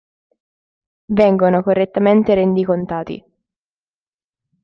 Vengono correttamente rendicontati.